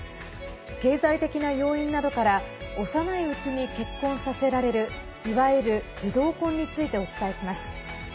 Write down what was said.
経済的な要因などから幼いうちに結婚させられるいわゆる児童婚についてお伝えします。